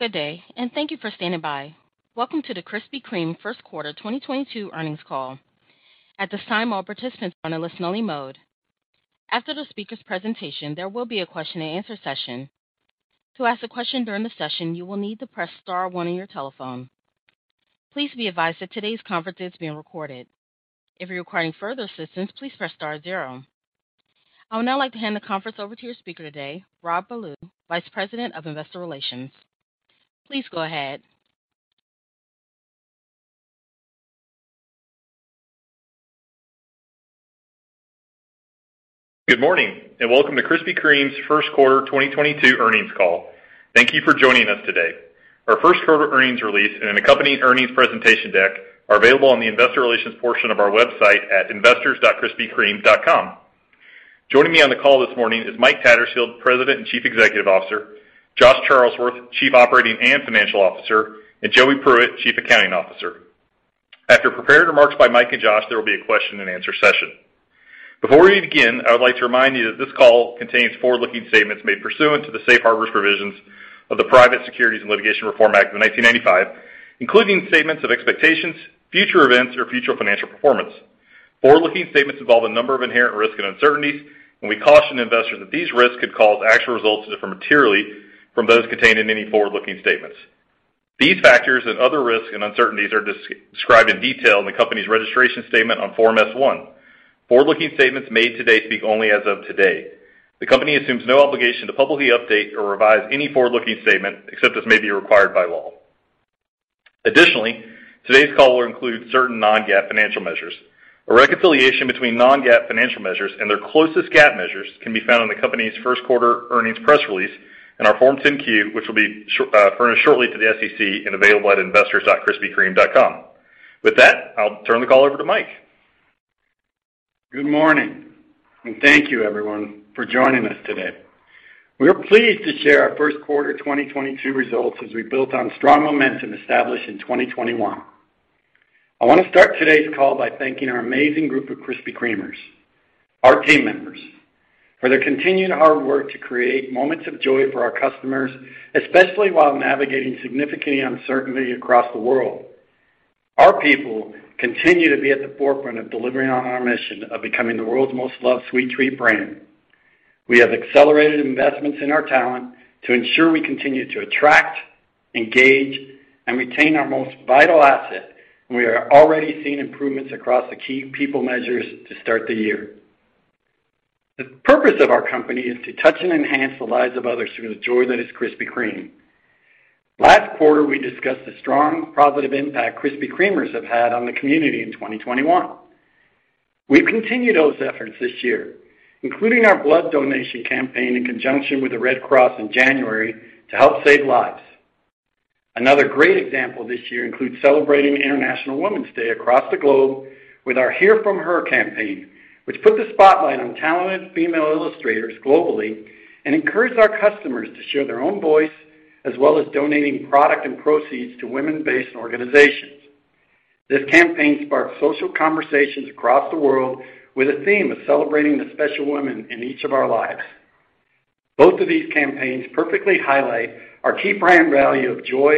Good day, and thank you for standing by. Welcome to the Krispy Kreme first quarter 2022 earnings call. At this time, all participants are in a listen only mode. After the speaker's presentation, there will be a question and answer session. To ask a question during the session, you will need to press star one on your telephone. Please be advised that today's conference is being recorded. If you're requiring further assistance, please press star zero. I would now like to hand the conference over to your speaker today, Rob Ballew, Vice President of Investor Relations. Please go ahead. Good morning, and welcome to Krispy Kreme's first quarter 2022 earnings call. Thank you for joining us today. Our first quarter earnings release and an accompanying earnings presentation deck are available on the investor relations portion of our website at investors.krispykreme.com. Joining me on the call this morning is Mike Tattersfield, President and Chief Executive Officer, Josh Charlesworth, Chief Operating and Financial Officer, and Joey Pruitt, Chief Accounting Officer. After prepared remarks by Mike and Josh, there will be a question and answer session. Before we begin, I would like to remind you that this call contains forward-looking statements made pursuant to the safe harbor provisions of the Private Securities Litigation Reform Act of 1995, including statements of expectations, future events, or future financial performance. Forward-looking statements involve a number of inherent risks and uncertainties, and we caution investors that these risks could cause actual results to differ materially from those contained in any forward-looking statements. These factors and other risks and uncertainties are described in detail in the company's registration statement on Form S-1. Forward-looking statements made today speak only as of today. The company assumes no obligation to publicly update or revise any forward-looking statement except as may be required by law. Additionally, today's call will include certain non-GAAP financial measures. A reconciliation between non-GAAP financial measures and their closest GAAP measures can be found in the company's first quarter earnings press release and our Form 10-Q, which will be furnished shortly to the SEC and available at investors.krispykreme.com. With that, I'll turn the call over to Mike. Good morning, and thank you, everyone, for joining us today. We are pleased to share our first quarter 2022 results as we built on strong momentum established in 2021. I wanna start today's call by thanking our amazing group of Krispy Kremers, our team members, for their continued hard work to create moments of joy for our customers, especially while navigating significant uncertainty across the world. Our people continue to be at the forefront of delivering on our mission of becoming the world's most loved sweet treat brand. We have accelerated investments in our talent to ensure we continue to attract, engage, and retain our most vital asset, and we are already seeing improvements across the key people measures to start the year. The purpose of our company is to touch and enhance the lives of others through the joy that is Krispy Kreme. Last quarter, we discussed the strong positive impact Krispy Kremers have had on the community in 2021. We've continued those efforts this year, including our blood donation campaign in conjunction with the American Red Cross in January to help save lives. Another great example this year includes celebrating International Women's Day across the globe with our Hear From Her campaign, which put the spotlight on talented female illustrators globally and encouraged our customers to share their own voice as well as donating product and proceeds to women-based organizations. This campaign sparked social conversations across the world with a theme of celebrating the special women in each of our lives. Both of these campaigns perfectly highlight our key brand value of joy,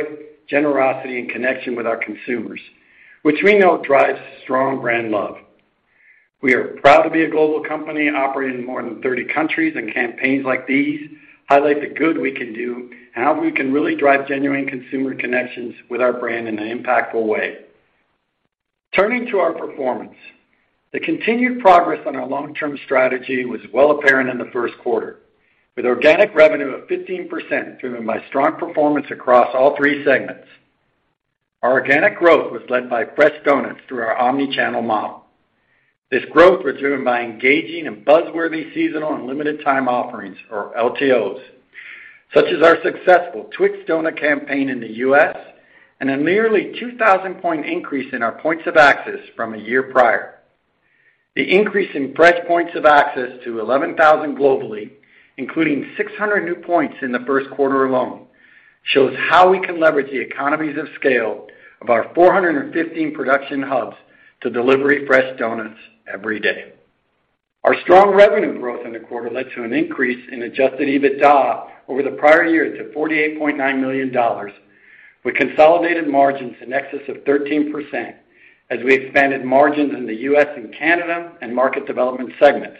generosity, and connection with our consumers, which we know drives strong brand love. We are proud to be a global company operating in more than 30 countries, and campaigns like these highlight the good we can do and how we can really drive genuine consumer connections with our brand in an impactful way. Turning to our performance, the continued progress on our long-term strategy was well apparent in the first quarter. With organic revenue of 15% driven by strong performance across all three segments. Our organic growth was led by fresh donuts through our omni-channel model. This growth was driven by engaging and buzz-worthy seasonal and limited time offerings or LTOs, such as our successful TWIX donut campaign in the U.S. and a nearly 2,000 point increase in our points of access from a year prior. The increase in fresh points of access to 11,000 globally, including 600 new points in the first quarter alone, shows how we can leverage the economies of scale of our 415 production hubs to deliver fresh donuts every day. Our strong revenue growth in the quarter led to an increase in adjusted EBITDA over the prior year to $48.9 million, with consolidated margins in excess of 13% as we expanded margins in the U.S. and Canada and market development segments.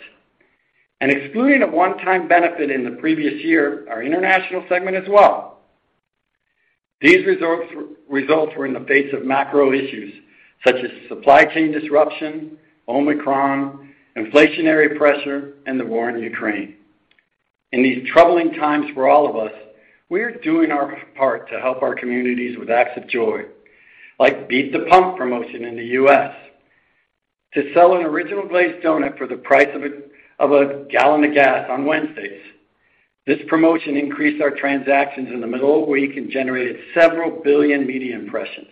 Excluding a one-time benefit in the previous year, our international segment as well. These results were in the face of macro issues such as supply chain disruption, Omicron, inflationary pressure, and the war in Ukraine. In these troubling times for all of us, we are doing our part to help our communities with acts of joy, like Beat the Pump promotion in the U.S. to sell an Original Glazed doughnut for the price of a gallon of gas on Wednesdays. This promotion increased our transactions in the middle of the week and generated several billion media impressions.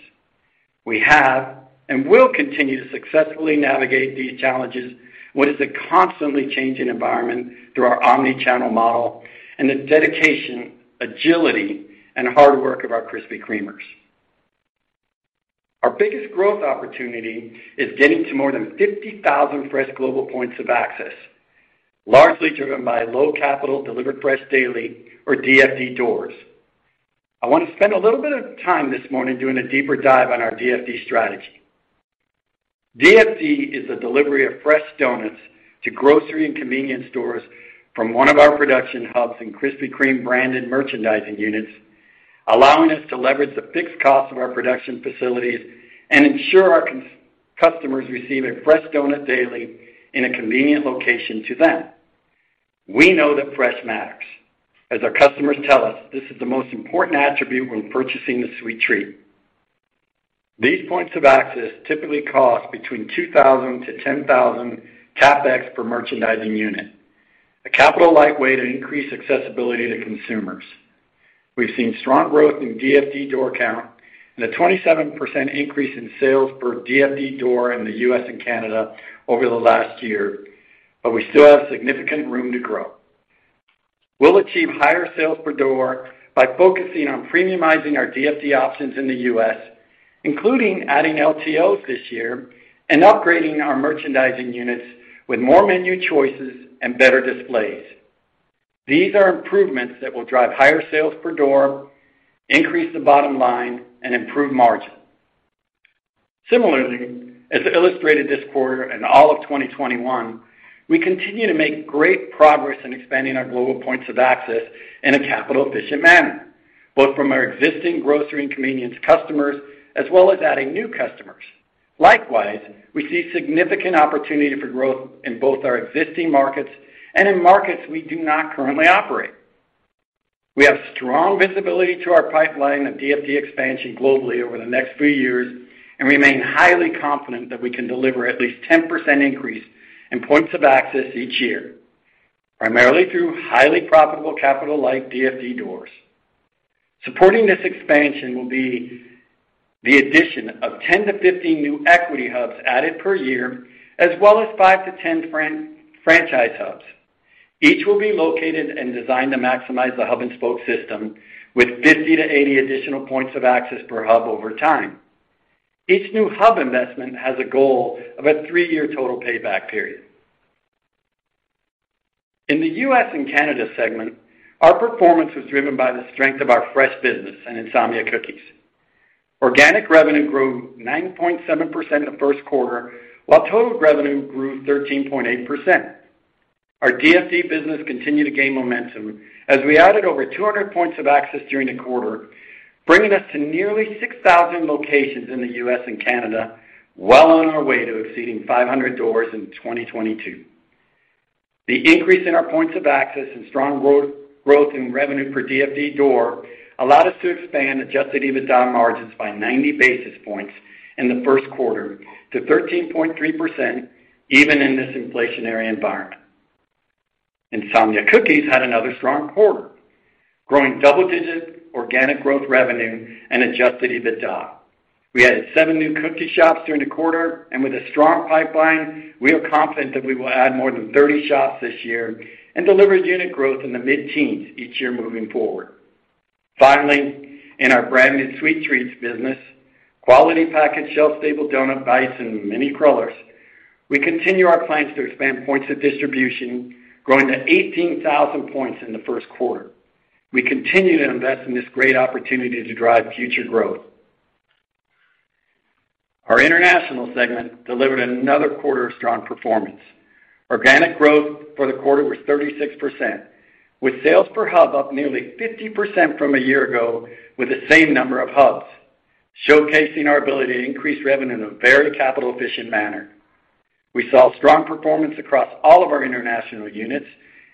We have and will continue to successfully navigate these challenges, what is a constantly changing environment, through our omni-channel model and the dedication, agility, and hard work of our Krispy Kremers. Our biggest growth opportunity is getting to more than 50,000 fresh global points of access, largely driven by low capital Delivered Fresh Daily or DFD doors. I want to spend a little bit of time this morning doing a deeper dive on our DFD strategy. DFD is the delivery of fresh donuts to grocery and convenience stores from one of our production hubs and Krispy Kreme branded merchandising units, allowing us to leverage the fixed cost of our production facilities and ensure our customers receive a fresh donut daily in a convenient location to them. We know that fresh matters. As our customers tell us, this is the most important attribute when purchasing a sweet treat. These points of access typically cost between $2,000-$10,000 CapEx per merchandising unit, a capital light way to increase accessibility to consumers. We've seen strong growth in DFD door count and a 27% increase in sales per DFD door in the US and Canada over the last year, but we still have significant room to grow. We'll achieve higher sales per door by focusing on premiumizing our DFD options in the US, including adding LTO this year and upgrading our merchandising units with more menu choices and better displays. These are improvements that will drive higher sales per door, increase the bottom line, and improve margin. Similarly, as illustrated this quarter and all of 2021, we continue to make great progress in expanding our global points of access in a capital efficient manner, both from our existing grocery and convenience customers, as well as adding new customers. Likewise, we see significant opportunity for growth in both our existing markets and in markets we do not currently operate. We have strong visibility to our pipeline of DFD expansion globally over the next few years, and remain highly confident that we can deliver at least 10% increase in points of access each year, primarily through highly profitable capital like DFD doors. Supporting this expansion will be the addition of 10-15 new equity hubs added per year, as well as 5-10 franchise hubs. Each will be located and designed to maximize the hub and spoke system with 50-80 additional points of access per hub over time. Each new hub investment has a goal of a three-year total payback period. In the U.S. and Canada segment, our performance was driven by the strength of our fresh business and Insomnia Cookies. Organic revenue grew 9.7% in the first quarter, while total revenue grew 13.8%. Our DFD business continued to gain momentum as we added over 200 points of access during the quarter, bringing us to nearly 6,000 locations in the U.S. and Canada, well on our way to exceeding 500 doors in 2022. The increase in our points of access and strong growth in revenue per DFD door allowed us to expand adjusted EBITDA margins by 90 basis points in the first quarter to 13.3% even in this inflationary environment. Insomnia Cookies had another strong quarter, growing double-digit organic growth revenue and adjusted EBITDA. We added seven new cookie shops during the quarter, and with a strong pipeline, we are confident that we will add more than 30 shops this year and deliver unit growth in the mid-teens each year moving forward. Finally, in our Branded Sweet Treats business, quality packaged shelf-stable donut bites and mini crullers, we continue our plans to expand points of distribution, growing to 18,000 points in the first quarter. We continue to invest in this great opportunity to drive future growth. Our international segment delivered another quarter of strong performance. Organic growth for the quarter was 36%, with sales per hub up nearly 50% from a year ago with the same number of hubs, showcasing our ability to increase revenue in a very capital efficient manner. We saw strong performance across all of our international units,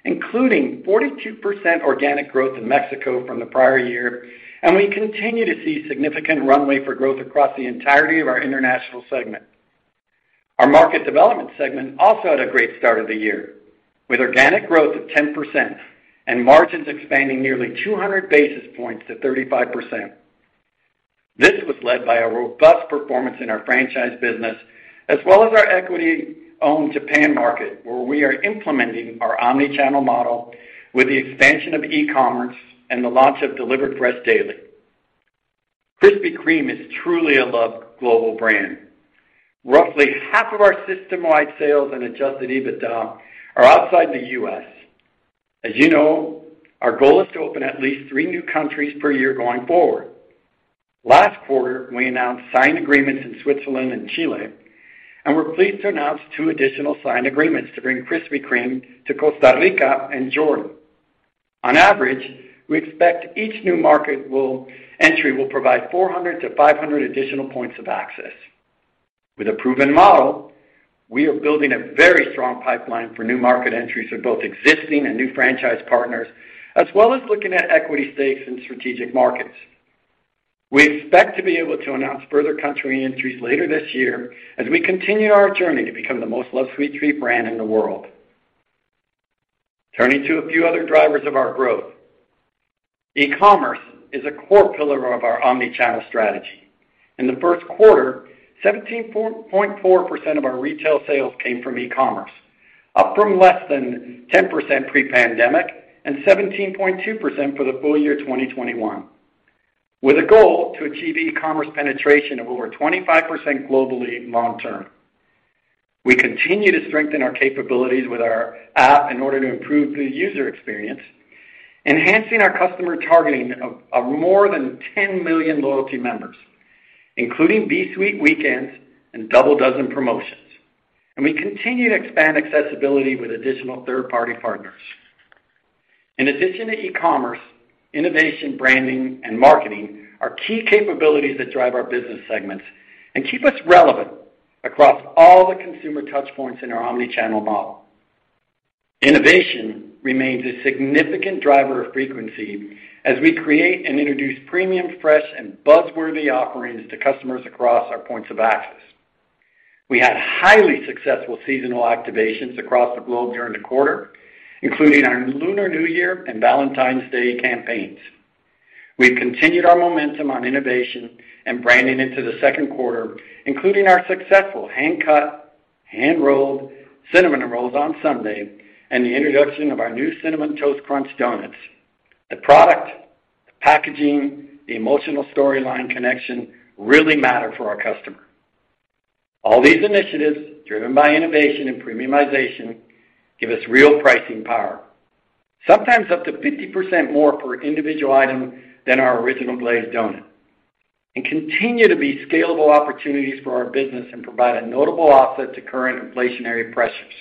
including 42% organic growth in Mexico from the prior year, and we continue to see significant runway for growth across the entirety of our international segment. Our market development segment also had a great start of the year, with organic growth of 10% and margins expanding nearly 200 basis points to 35%. This was led by a robust performance in our franchise business as well as our equity-owned Japan market, where we are implementing our omni-channel model with the expansion of e-commerce and the launch of Delivered Fresh Daily. Krispy Kreme is truly a loved global brand. Roughly half of our system-wide sales and adjusted EBITDA are outside the U.S. As you know, our goal is to open at least three new countries per year going forward. Last quarter, we announced signed agreements in Switzerland and Chile, and we're pleased to announce two additional signed agreements to bring Krispy Kreme to Costa Rica and Jordan. On average, we expect each new market entry will provide 400-500 additional points of access. With a proven model, we are building a very strong pipeline for new market entries for both existing and new franchise partners, as well as looking at equity stakes in strategic markets. We expect to be able to announce further country entries later this year as we continue our journey to become the most loved sweet treat brand in the world. Turning to a few other drivers of our growth. E-commerce is a core pillar of our omni-channel strategy. In the first quarter, 17.4% of our retail sales came from e-commerce. Up from less than 10% pre-pandemic and 17.2% for the full year 2021, with a goal to achieve e-commerce penetration of over 25% globally long term. We continue to strengthen our capabilities with our app in order to improve the user experience, enhancing our customer targeting of more than 10 million loyalty members, including Be Sweet Weekends and double dozen promotions. We continue to expand accessibility with additional third-party partners. In addition to e-commerce, innovation, branding, and marketing are key capabilities that drive our business segments and keep us relevant across all the consumer touchpoints in our omni-channel model. Innovation remains a significant driver of frequency as we create and introduce premium, fresh, and buzz-worthy offerings to customers across our points of access. We had highly successful seasonal activations across the globe during the quarter, including our Lunar New Year and Valentine's Day campaigns. We continued our momentum on innovation and branding into the second quarter, including our successful hand-cut, hand-rolled cinnamon rolls on Sunday and the introduction of our new Cinnamon Toast Crunch donuts. The product, the packaging, the emotional storyline connection really matter for our customer. All these initiatives, driven by innovation and premiumization, give us real pricing power. Sometimes up to 50% more per individual item than our Original Glazed doughnut, and continue to be scalable opportunities for our business and provide a notable offset to current inflationary pressures.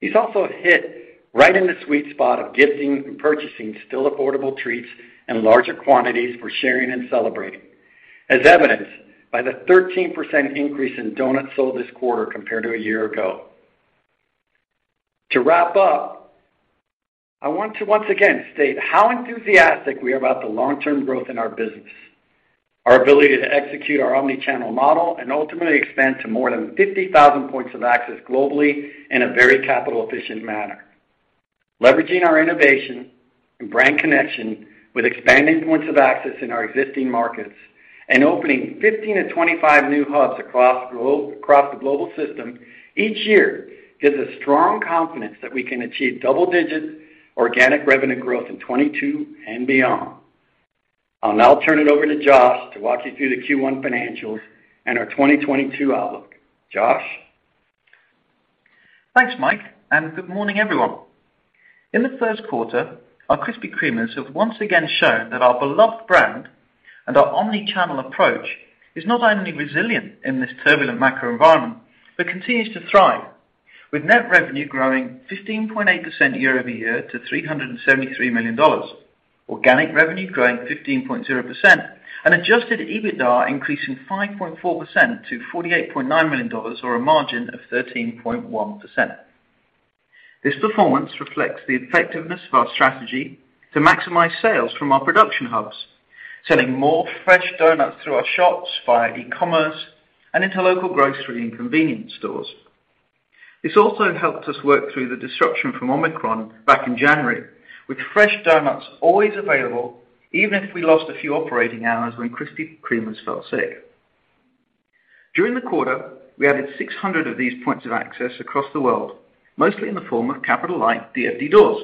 These also hit right in the sweet spot of gifting and purchasing still affordable treats in larger quantities for sharing and celebrating, as evidenced by the 13% increase in doughnuts sold this quarter compared to a year ago. To wrap up, I want to once again state how enthusiastic we are about the long-term growth in our business, our ability to execute our omni-channel model, and ultimately expand to more than 50,000 points of access globally in a very capital efficient manner. Leveraging our innovation and brand connection with expanding points of access in our existing markets and opening 15-25 new hubs across the global system each year gives us strong confidence that we can achieve double-digit organic revenue growth in 2022 and beyond. I'll now turn it over to Josh to walk you through the Q1 financials and our 2022 outlook. Josh? Thanks, Mike, and good morning, everyone. In the first quarter, our Krispy Kremes have once again shown that our beloved brand and our omni-channel approach is not only resilient in this turbulent macro environment, but continues to thrive, with net revenue growing 15.8% year-over-year to $373 million, organic revenue growing 15.0%, and adjusted EBITDA increasing 5.4% to $48.9 million, or a margin of 13.1%. This performance reflects the effectiveness of our strategy to maximize sales from our production hubs, selling more fresh donuts through our shops via e-commerce and into local grocery and convenience stores. This also helped us work through the disruption from Omicron back in January, with fresh donuts always available even if we lost a few operating hours when Krispy Kremers felt sick. During the quarter, we added 600 of these points of access across the world, mostly in the form of capital-light DFD doors.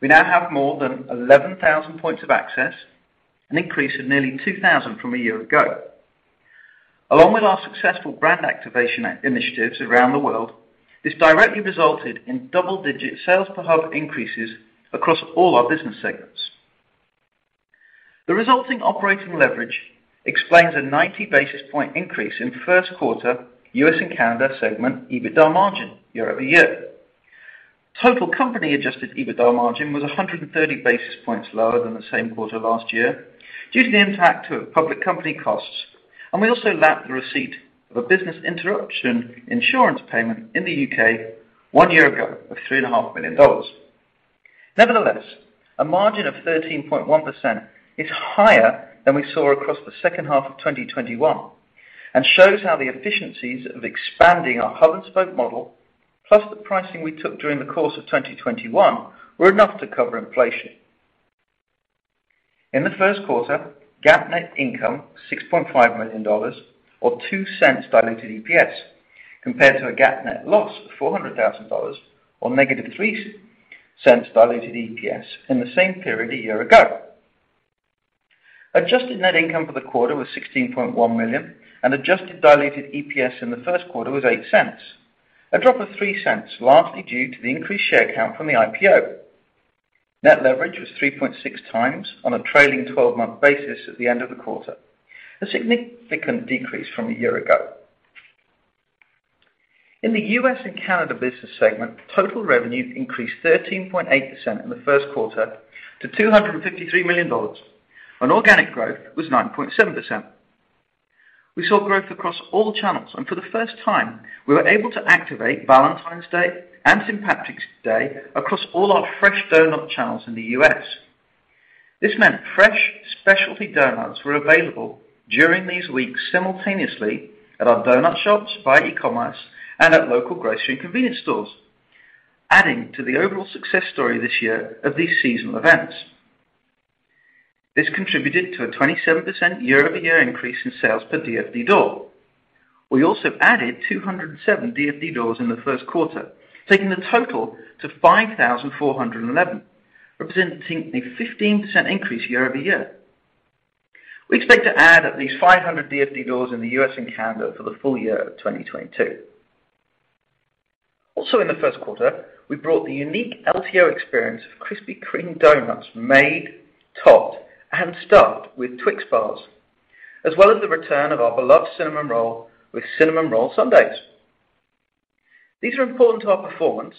We now have more than 11,000 points of access, an increase of nearly 2,000 from a year ago. Along with our successful brand activation initiatives around the world, this directly resulted in double-digit sales per hub increases across all our business segments. The resulting operating leverage explains a 90 basis points increase in first quarter US and Canada segment EBITDA margin year-over-year. Total company adjusted EBITDA margin was 130 basis points lower than the same quarter last year due to the impact to public company costs, and we also lapped the receipt of a business interruption insurance payment in the U.K. one year ago of $3.5 million. Nevertheless, a margin of 13.1% is higher than we saw across the second half of 2021 and shows how the efficiencies of expanding our hub and spoke model, plus the pricing we took during the course of 2021, were enough to cover inflation. In the first quarter, GAAP net income $6.5 million or $0.02 diluted EPS, compared to a GAAP net loss of $400,000 or -$0.03 diluted EPS in the same period a year ago. Adjusted net income for the quarter was $16.1 million, and adjusted diluted EPS in the first quarter was $0.08, a drop of $0.03, largely due to the increased share count from the IPO. Net leverage was 3.6x on a trailing twelve-month basis at the end of the quarter, a significant decrease from a year ago. In the US and Canada business segment, total revenue increased 13.8% in the first quarter to $253 million, and organic growth was 9.7%. We saw growth across all channels, and for the first time, we were able to activate Valentine's Day and St. Patrick's Day across all our fresh donut channels in the U.S. This meant fresh specialty donuts were available during these weeks simultaneously at our donut shops, via e-commerce, and at local grocery and convenience stores, adding to the overall success story this year of these seasonal events. This contributed to a 27% year-over-year increase in sales per DFD door. We also added 207 DFD doors in the first quarter, taking the total to 5,411, representing a 15% increase year-over-year. We expect to add at least 500 DFD doors in the U.S. and Canada for the full year of 2022. Also in the first quarter, we brought the unique LTO experience of Krispy Kreme donuts made, topped, and stuffed with TWIX bars, as well as the return of our beloved cinnamon roll with cinnamon roll sundaes. These are important to our performance,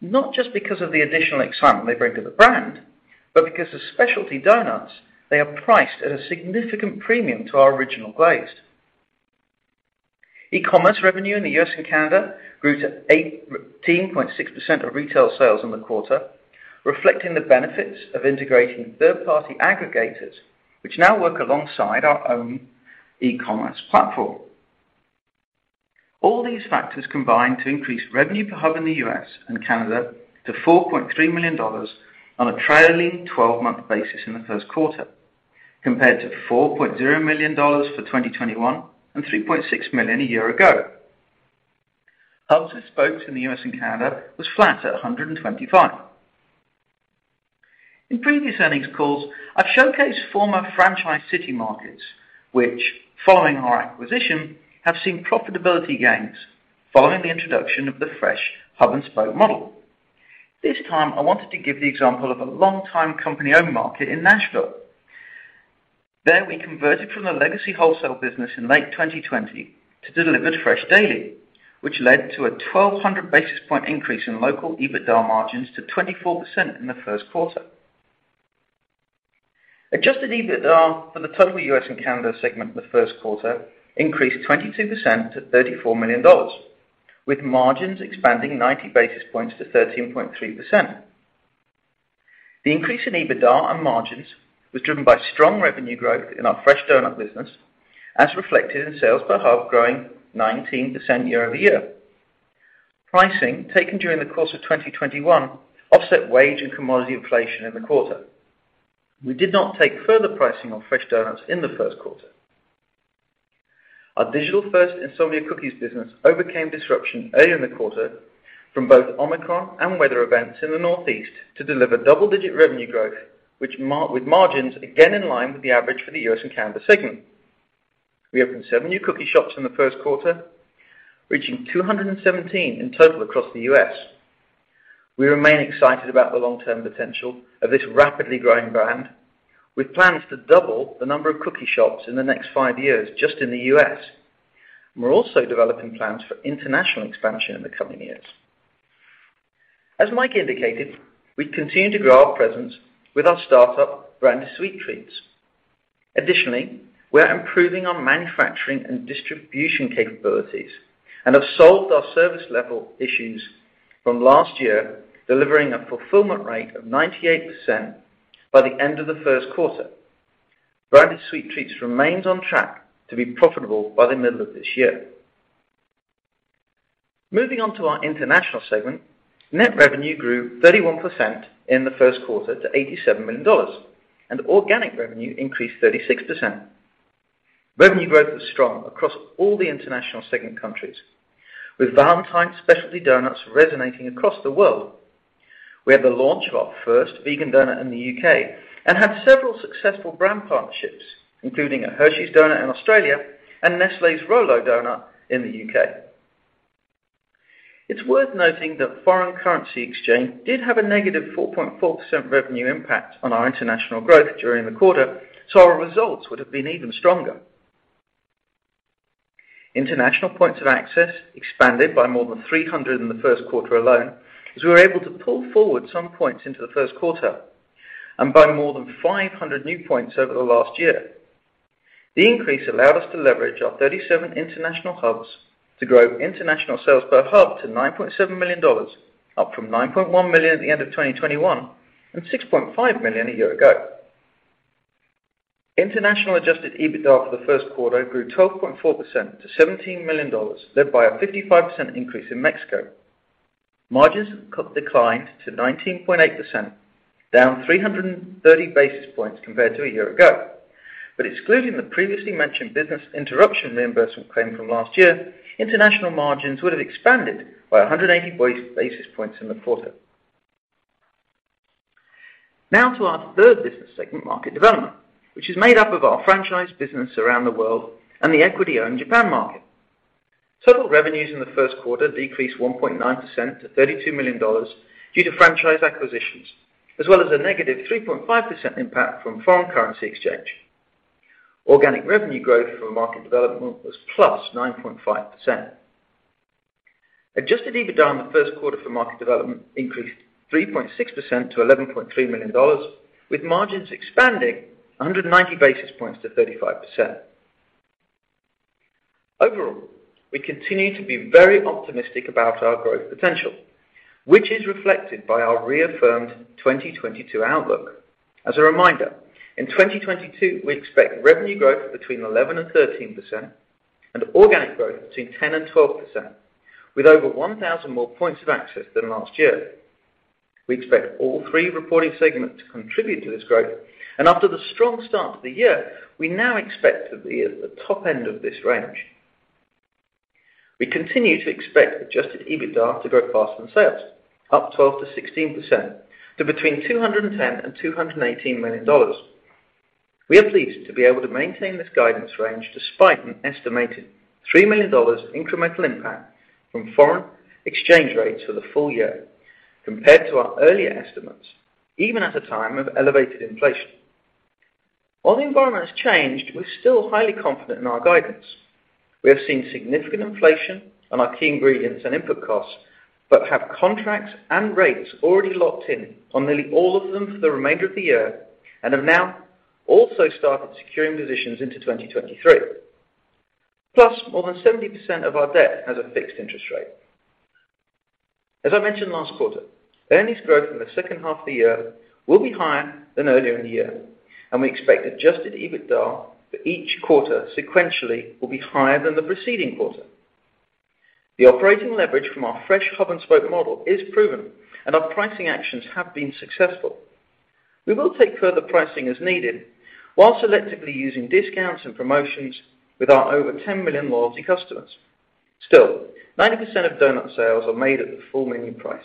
not just because of the additional excitement they bring to the brand, but because as specialty donuts, they are priced at a significant premium to our Original Glazed. E-commerce revenue in the U.S. and Canada grew to 18.6% of retail sales in the quarter, reflecting the benefits of integrating third-party aggregators, which now work alongside our own e-commerce platform. All these factors combined to increase revenue per hub in the U.S. and Canada to $4.3 million on a trailing twelve-month basis in the first quarter, compared to $4.0 million for 2021 and $3.6 million a year ago. Hubs and spokes in the U.S. and Canada was flat at 125. In previous earnings calls, I've showcased former franchise city markets, which, following our acquisition, have seen profitability gains following the introduction of the fresh hub and spoke model. This time, I wanted to give the example of a long-time company-owned market in Nashville. There, we converted from the legacy wholesale business in late 2020 to delivered fresh daily, which led to a 1,200 basis point increase in local EBITDA margins to 24% in the first quarter. Adjusted EBITDA for the total U.S. and Canada segment in the first quarter increased 22% to $34 million, with margins expanding 90 basis points to 13.3%. The increase in EBITDA and margins was driven by strong revenue growth in our fresh donut business, as reflected in sales per hub growing 19% year-over-year. Pricing taken during the course of 2021 offset wage and commodity inflation in the quarter. We did not take further pricing on fresh donuts in the first quarter. Our digital-first Insomnia Cookies business overcame disruption early in the quarter from both Omicron and weather events in the Northeast to deliver double-digit revenue growth, which, with margins, again in line with the average for the U.S. and Canada segment. We opened seven new cookie shops in the first quarter, reaching 217 in total across the U.S. We remain excited about the long-term potential of this rapidly growing brand. We plan to double the number of cookie shops in the next five years just in the U.S. We're also developing plans for international expansion in the coming years. As Mike indicated, we continue to grow our presence with our startup brand, Sweet Treats. Additionally, we are improving our manufacturing and distribution capabilities and have solved our service level issues from last year, delivering a fulfillment rate of 98% by the end of the first quarter. Branded Sweet Treats remains on track to be profitable by the middle of this year. Moving on to our international segment, net revenue grew 31% in the first quarter to $87 million, and organic revenue increased 36%. Revenue growth was strong across all the international segment countries, with Valentine's specialty donuts resonating across the world. We had the launch of our first vegan donut in the U.K. and had several successful brand partnerships, including a HERSHEY'S donut in Australia and Nestlé's Rolo donut in the U.K. It's worth noting that foreign currency exchange did have -4.4% revenue impact on our international growth during the quarter, so our results would have been even stronger. International points of access expanded by more than 300 in the first quarter alone, as we were able to pull forward some points into the first quarter and by more than 500 new points over the last year. The increase allowed us to leverage our 37 international hubs to grow international sales per hub to $9.7 million, up from $9.1 million at the end of 2021 and $6.5 million a year ago. International adjusted EBITDA for the first quarter grew 12.4% to $17 million, led by a 55% increase in Mexico. Margins declined to 19.8%, down 330 basis points compared to a year ago. Excluding the previously mentioned business interruption reimbursement claim from last year, international margins would have expanded by 180 basis points in the quarter. Now to our third business segment, market development, which is made up of our franchise business around the world and the equity-owned Japan market. Total revenues in the first quarter decreased 1.9% to $32 million due to franchise acquisitions, as well as a negative 3.5% impact from foreign currency exchange. Organic revenue growth for market development was +9.5%. adjusted EBITDA in the first quarter for market development increased 3.6% to $11.3 million, with margins expanding 190 basis points to 35%. Overall, we continue to be very optimistic about our growth potential, which is reflected by our reaffirmed 2022 outlook. As a reminder, in 2022, we expect revenue growth between 11% and 13% and organic growth between 10% and 12%. With over 1,000 more points of access than last year, we expect all three reporting segments to contribute to this growth. After the strong start to the year, we now expect to be at the top end of this range. We continue to expect adjusted EBITDA to grow faster than sales, up 12%-16% to between $210 million and $218 million. We are pleased to be able to maintain this guidance range despite an estimated $3 million incremental impact from foreign exchange rates for the full year compared to our earlier estimates, even at a time of elevated inflation. While the environment has changed, we're still highly confident in our guidance. We have seen significant inflation on our key ingredients and input costs, but have contracts and rates already locked in on nearly all of them for the remainder of the year, and have now also started securing positions into 2023. Plus, more than 70% of our debt has a fixed interest rate. As I mentioned last quarter, earnings growth in the second half of the year will be higher than earlier in the year, and we expect adjusted EBITDA for each quarter sequentially will be higher than the preceding quarter. The operating leverage from our fresh hub and spoke model is proven, and our pricing actions have been successful. We will take further pricing as needed while selectively using discounts and promotions with our over 10 million loyalty customers. Still, 90% of donut sales are made at the full menu price.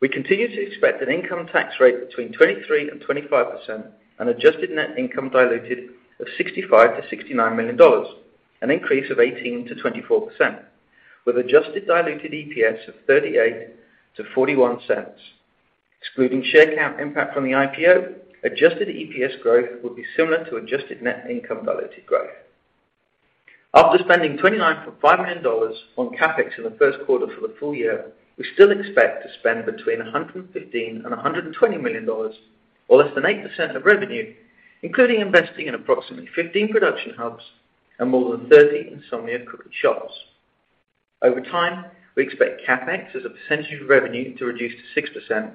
We continue to expect an income tax rate between 23% and 25%, an adjusted net income diluted of $65 million-$69 million, an increase of 18%-24%, with adjusted diluted EPS of $0.38-$0.41. Excluding share count impact from the IPO, adjusted EPS growth will be similar to adjusted net income diluted growth. After spending $29.5 million on CapEx in the first quarter for the full year, we still expect to spend between $115 million and $120 million, or less than 8% of revenue, including investing in approximately 15 production hubs and more than 30 Insomnia Cookies shops. Over time, we expect CapEx as a percentage of revenue to reduce to 6%,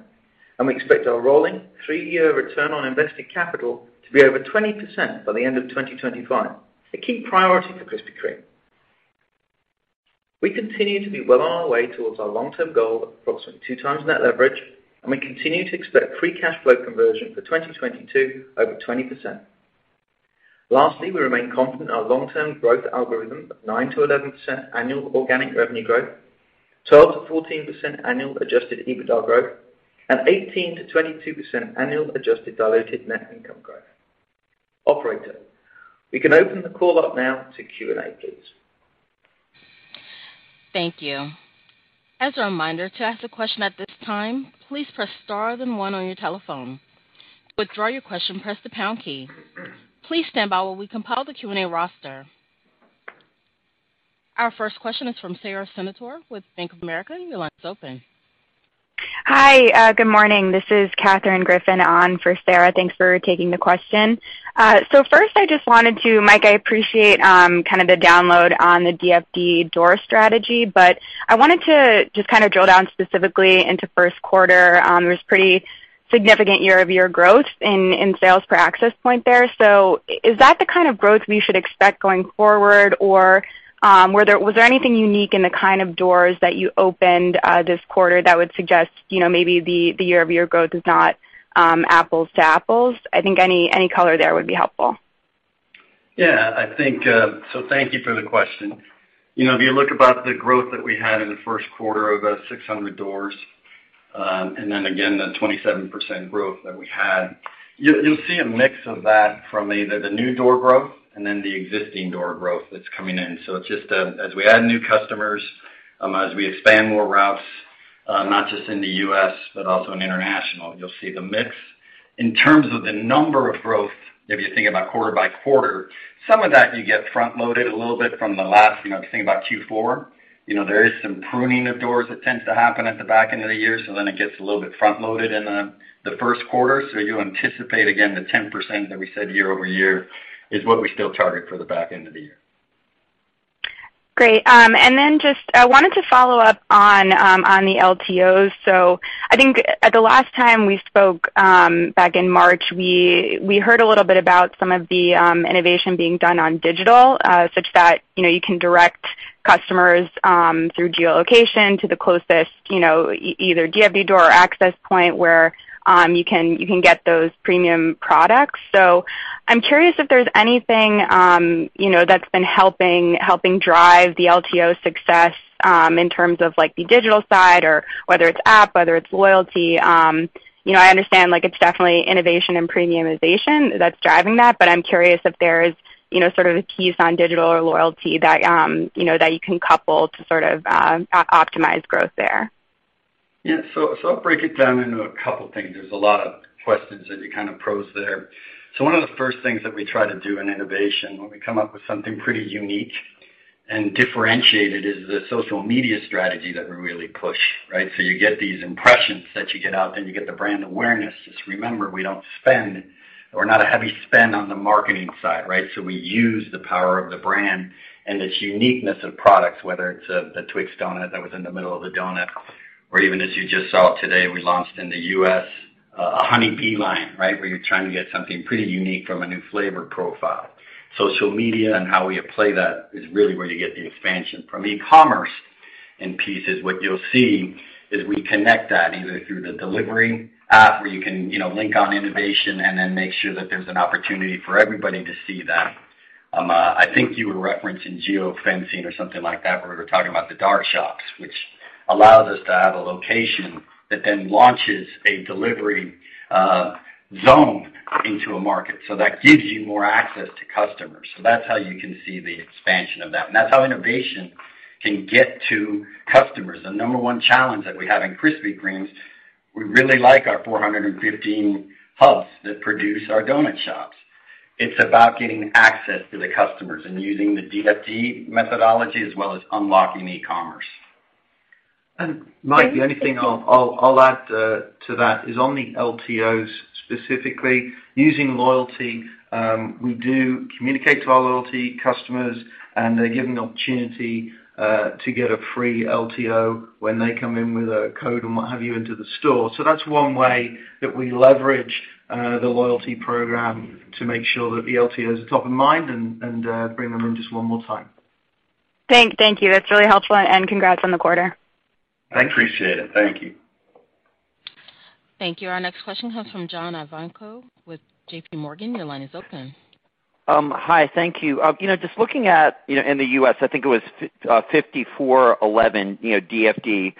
and we expect our rolling three-year return on invested capital to be over 20% by the end of 2025, a key priority for Krispy Kreme. We continue to be well on our way towards our long-term goal of approximately 2x net leverage, and we continue to expect free cash flow conversion for 2022 over 20%. Lastly, we remain confident in our long-term growth algorithm of 9%-11% annual organic revenue growth, 12%-14% annual adjusted EBITDA growth, and 18%-22% annual adjusted diluted net income growth. Operator, we can open the call up now to Q&A, please. Thank you. As a reminder, to ask a question at this time, please press star then one on your telephone. To withdraw your question, press the pound key. Please stand by while we compile the Q&A roster. Our first question is from Sara Senatore with Bank of America. Your line is open. Hi. Good morning. This is Katherine Griffin on for Sara. Thanks for taking the question. Mike, I appreciate kind of the download on the DFD door strategy, but I wanted to just kind of drill down specifically into first quarter. There was pretty significant year-over-year growth in sales per access point there. Is that the kind of growth we should expect going forward? Or, was there anything unique in the kind of doors that you opened this quarter that would suggest, you know, maybe the year-over-year growth is not apples to apples? I think any color there would be helpful. Yeah, I think. Thank you for the question. You know, if you look at the growth that we had in the first quarter of 600 doors, and then again, the 27% growth that we had, you'll see a mix of that from either the new door growth and then the existing door growth that's coming in. It's just as we add new customers, as we expand more routes, not just in the U.S., but also in international, you'll see the mix. In terms of the number of growth, if you think about quarter by quarter, some of that you get front loaded a little bit from the last, you know, if you think about Q4, you know, there is some pruning of doors that tends to happen at the back end of the year, so then it gets a little bit front loaded in the first quarter. You anticipate, again, the 10% that we said year-over-year is what we still target for the back end of the year. Great. Just, I wanted to follow up on the LTOs. I think at the last time we spoke back in March, we heard a little bit about some of the innovation being done on digital such that, you know, you can direct customers through geolocation to the closest, you know, either DFD door or access point where you can get those premium products. I'm curious if there's anything, you know, that's been helping drive the LTO success in terms of, like, the digital side or whether it's app, whether it's loyalty. You know, I understand, like, it's definitely innovation and premiumization that's driving that, but I'm curious if there's, you know, sort of a tease on digital or loyalty that, you know, that you can couple to sort of, optimize growth there. Yeah. I'll break it down into a couple things. There's a lot of questions that you kind of posed there. One of the first things that we try to do in innovation when we come up with something pretty unique and differentiated is the social media strategy that we really push, right? You get these impressions that you get out there, and you get the brand awareness. Just remember, we're not a heavy spend on the marketing side, right? We use the power of the brand and its uniqueness of products, whether it's the TWIX doughnut that was in the middle of the doughnut, or even as you just saw today, we launched in the U.S. Oh, Honey! line, right? Where you're trying to get something pretty unique from a new flavor profile. Social media and how we apply that is really where you get the expansion. From e-commerce and apps, what you'll see is we connect that either through the delivery app, where you can, you know, click on innovation and then make sure that there's an opportunity for everybody to see that. I think you were referencing geofencing or something like that, where we're talking about the dark shops, which allows us to have a location that then launches a delivery zone into a market. That gives you more access to customers. That's how you can see the expansion of that. That's how innovation can get to customers. The number one challenge that we have in Krispy Kreme is we really like our 415 hubs that produce our donut shops. It's about getting access to the customers and using the DFD methodology as well as unlocking e-commerce. Mike, the only thing I'll add to that is on the LTOs, specifically. Using loyalty, we do communicate to our loyalty customers, and they're given the opportunity to get a free LTO when they come in with a code and what have you into the store. That's one way that we leverage the loyalty program to make sure that the LTO is top of mind and bring them in just one more time. Thank you. That's really helpful, and congrats on the quarter. I appreciate it. Thank you. Thank you. Our next question comes from John Ivankoe with JP Morgan. Your line is open. Hi. Thank you. You know, just looking at, you know, in the U.S., I think it was 5,411, you know, DFD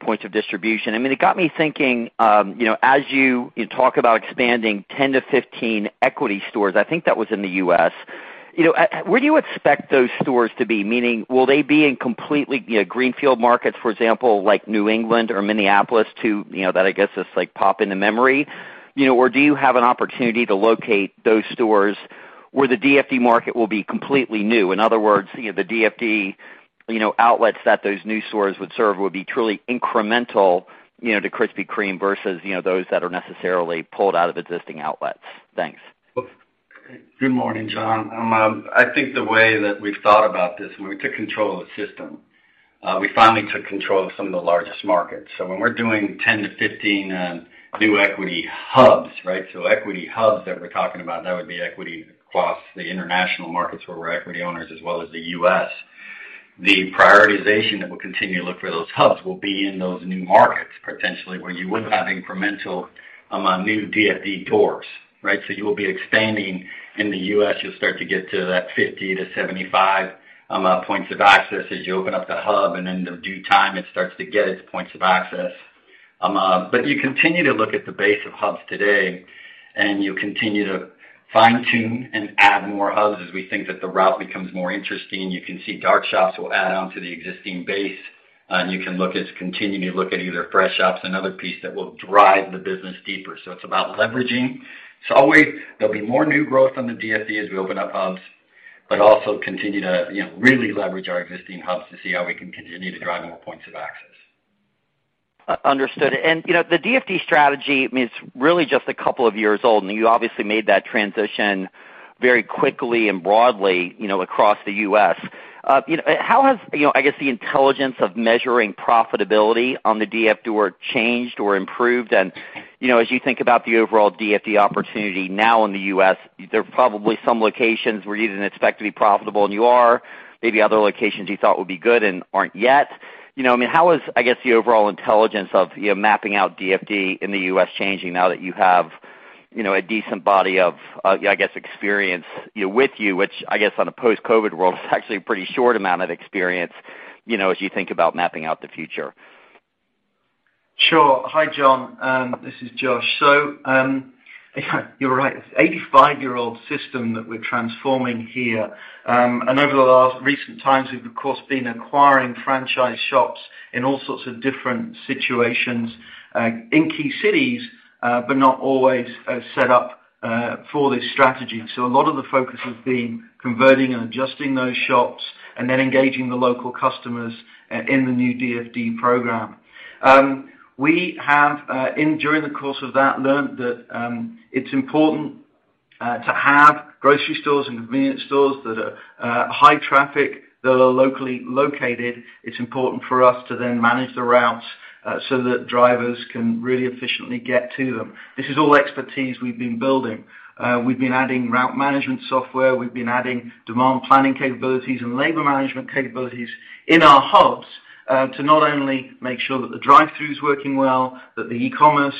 points of distribution. I mean, it got me thinking, you know, as you talk about expanding 10-15 equity stores, I think that was in the U.S. You know, where do you expect those stores to be? Meaning will they be in completely, you know, greenfield markets, for example, like New England or Minneapolis too, you know, that I guess just like pop into memory. You know, or do you have an opportunity to locate those stores where the DFD market will be completely new? In other words, you know, the DFD, you know, outlets that those new stores would serve would be truly incremental, you know, to Krispy Kreme versus, you know, those that are necessarily pulled out of existing outlets. Thanks. Good morning, John. I think the way that we've thought about this when we took control of the system, we finally took control of some of the largest markets. When we're doing 10-15 new equity hubs, right? Equity hubs that we're talking about, that would be equity across the international markets where we're equity owners as well as the U.S. The prioritization that we'll continue to look for those hubs will be in those new markets, potentially, where you would have incremental, new DFD doors, right? You'll be expanding in the U.S., you'll start to get to that 50-75 points of access as you open up the hub, and in the due time it starts to get its points of access. You continue to look at the base of hubs today, and you continue to fine-tune and add more hubs as we think that the route becomes more interesting. You can see dark shops will add on to the existing base, and you can continue to look at either fresh shops and other piece that will drive the business deeper. It's about leveraging. Always there'll be more new growth on the DFD as we open up hubs, but also continue to, you know, really leverage our existing hubs to see how we can continue to drive more points of access. Understood. You know, the DFD strategy, I mean, it's really just a couple of years old, and you obviously made that transition very quickly and broadly, you know, across the U.S. You know, how has, you know, I guess, the intelligence of measuring profitability on the DFD door changed or improved? You know, as you think about the overall DFD opportunity now in the U.S., there are probably some locations where you didn't expect to be profitable and you are, maybe other locations you thought would be good and aren't yet. You know, I mean, how is, I guess, the overall intelligence of, you know, mapping out DFD in the U.S. changing now that you have, you know, a decent body of, I guess, experience, you know, with you, which I guess on a post-COVID world is actually a pretty short amount of experience, you know, as you think about mapping out the future? Sure. Hi, John. This is Josh. You're right. This 85-year-old system that we're transforming here, and over the last recent times, we've of course been acquiring franchise shops in all sorts of different situations, in key cities, but not always set up for this strategy. A lot of the focus has been converting and adjusting those shops and then engaging the local customers in the new DFD program. We have, during the course of that, learned that it's important to have grocery stores and convenience stores that are high traffic, that are locally located. It's important for us to then manage the routes so that drivers can really efficiently get to them. This is all expertise we've been building. We've been adding route management software. We've been adding demand planning capabilities and labor management capabilities in our hubs to not only make sure that the drive-thru is working well, that the e-commerce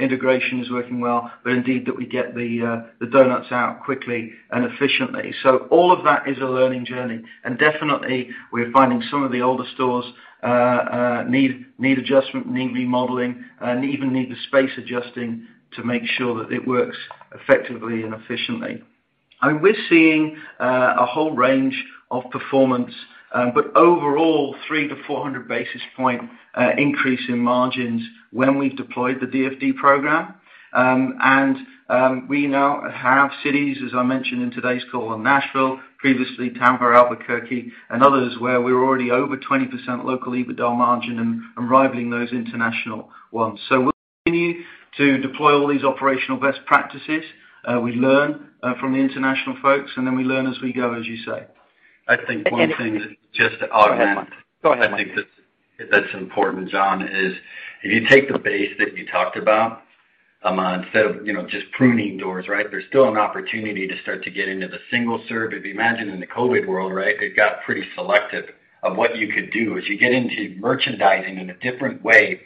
integration is working well, but indeed, that we get the doughnuts out quickly and efficiently. All of that is a learning journey. Definitely, we're finding some of the older stores need adjustment, need remodeling, and even need the space adjusting to make sure that it works effectively and efficiently. We're seeing a whole range of performance, but overall, 300-400 basis points increase in margins when we've deployed the DFD program. We now have cities, as I mentioned in today's call, Nashville, previously Tampa, Albuquerque, and others where we're already over 20% local EBITDA margin and rivaling those international ones. We'll continue to deploy all these operational best practices. We learn from the international folks, and then we learn as we go, as you say. I think one thing just to augment. Go ahead, Mike. I think that that's important, John, is if you take the base that you talked about, instead of, you know, just pruning doors, right? There's still an opportunity to start to get into the single serve. If you imagine in the COVID world, right, it got pretty selective of what you could do. As you get into merchandising in a different way,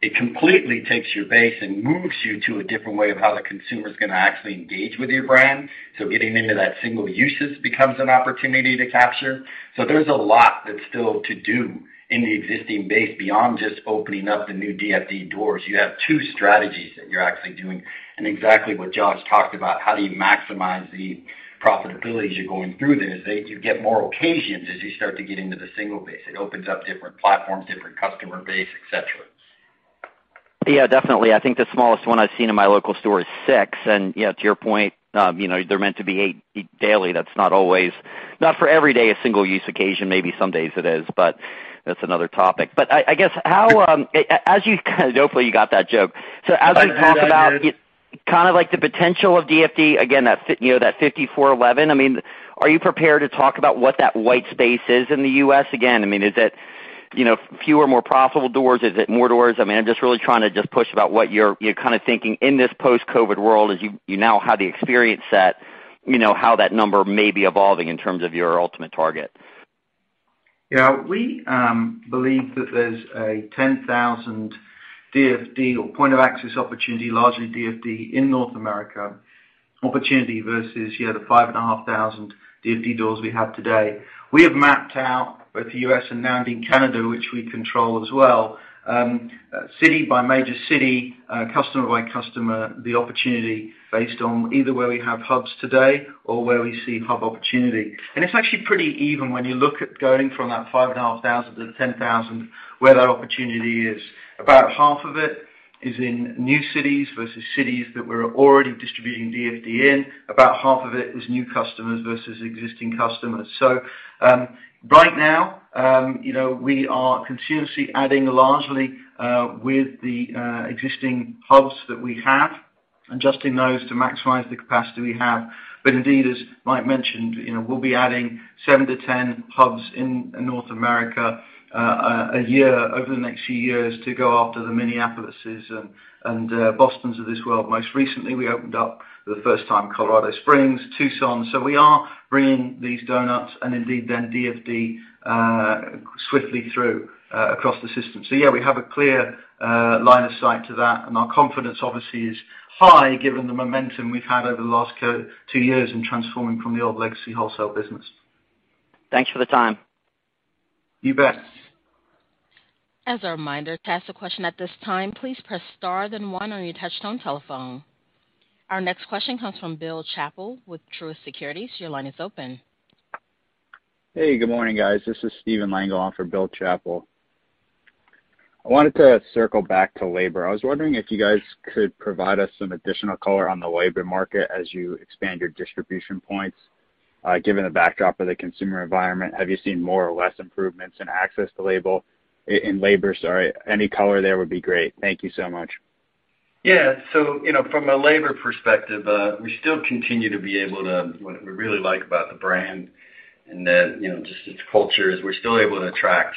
it completely takes your base and moves you to a different way of how the consumer's gonna actually engage with your brand. Getting into that single-uses becomes an opportunity to capture. There's a lot that's still to do in the existing base beyond just opening up the new DFD doors. You have two strategies that you're actually doing. Exactly what Josh talked about, how do you maximize the profitability as you're going through this. You get more occasions as you start to get into the single base. It opens up different platforms, different customer base, etc. Yeah, definitely. I think the smallest one I've seen in my local store is six. Yeah, to your point, you know, they're meant to be eight daily. That's not always. Not for every day, a single-use occasion, maybe some days it is, but that's another topic. I guess. Hopefully, you got that joke. I did. As we talk about kind of like the potential of DFD, again, you know, that 5,411, I mean, are you prepared to talk about what that white space is in the U.S. again? I mean, is it, you know, fewer, more profitable doors? Is it more doors? I mean, I'm just really trying to just push about what you're kinda thinking in this post-COVID world as you now have the experience that, you know, how that number may be evolving in terms of your ultimate target. Yeah. We believe that there's a 10,000 DFD or point of access opportunity, largely DFD, in North America versus the 5,500 DFD doors we have today. We have mapped out both the U.S. and now in Canada, which we control as well, city by major city, customer by customer, the opportunity based on either where we have hubs today or where we see hub opportunity. It's actually pretty even when you look at going from that 5,500 to the 10,000, where that opportunity is. About half of it is in new cities versus cities that we're already distributing DFD in. About half of it is new customers versus existing customers. Right now, you know, we are continuously adding largely with the existing hubs that we have, adjusting those to maximize the capacity we have. Indeed, as Mike mentioned, you know, we'll be adding 7-10 hubs in North America a year over the next few years to go after the Minneapolises and Bostons of this world. Most recently, we opened up for the first time Colorado Springs, Tucson. We are bringing these doughnuts and indeed then DFD swiftly through across the system. Yeah, we have a clear line of sight to that, and our confidence obviously is high given the momentum we've had over the last two years in transforming from the old legacy wholesale business. Thanks for the time. You bet. As a reminder, to ask a question at this time, please press star, then one on your touch tone telephone. Our next question comes from Bill Chappell with Truist Securities. Your line is open. Hey, good morning, guys. This is Steven Lang. I'm calling for Bill Chappell. I wanted to circle back to labor. I was wondering if you guys could provide us some additional color on the labor market as you expand your distribution points. Given the backdrop of the consumer environment, have you seen more or less improvements in access to labor, sorry. Any color there would be great. Thank you so much. Yeah. You know, from a labor perspective, what we really like about the brand and that, you know, just its culture, is we're still able to attract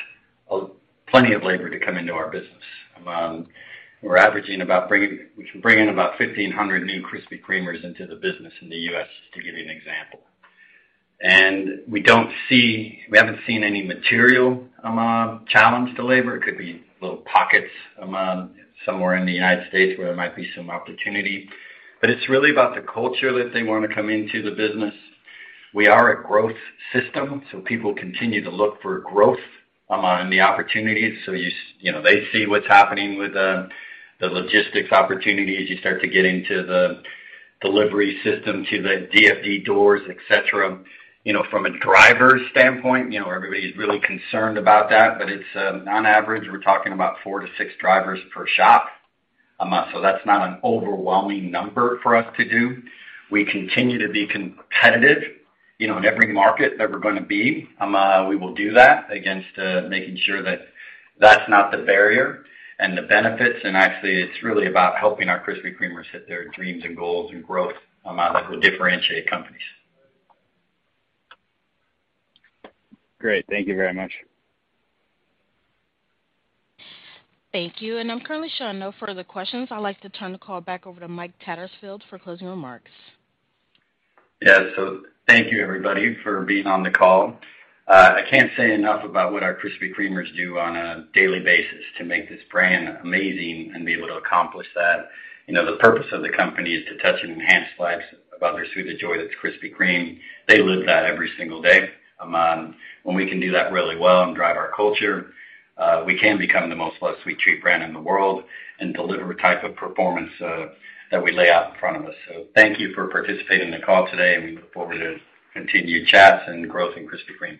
plenty of labor to come into our business. We can bring in about 1,500 new Krispy Kremers into the business in the U.S., just to give you an example. We haven't seen any material challenge to labor. It could be little pockets somewhere in the United States where there might be some opportunity. It's really about the culture that they wanna come into the business. We are a growth system, so people continue to look for growth in the opportunities. You know, they see what's happening with the logistics opportunities. You start to get into the delivery system to the DFD doors, etc. You know, from a driver standpoint, you know, everybody's really concerned about that, but it's on average, we're talking aboutfour to six drivers per shop. So that's not an overwhelming number for us to do. We continue to be competitive, you know, in every market that we're gonna be. We will do that against making sure that that's not the barrier and the benefits, and actually, it's really about helping our Krispy Kremers hit their dreams and goals and growth as we differentiate companies. Great. Thank you very much. Thank you. I'm currently showing no further questions. I'd like to turn the call back over to Mike Tattersfield for closing remarks. Yeah. Thank you, everybody, for being on the call. I can't say enough about what our Krispy Kremers do on a daily basis to make this brand amazing and be able to accomplish that. You know, the purpose of the company is to touch and enhance lives of others through the joy that's Krispy Kreme. They live that every single day. When we can do that really well and drive our culture, we can become the most loved sweet treat brand in the world and deliver a type of performance that we lay out in front of us. Thank you for participating in the call today, and we look forward to continued chats and growth in Krispy Kreme.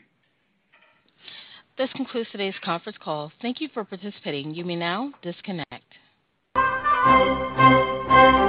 This concludes today's conference call. Thank you for participating. You may now disconnect.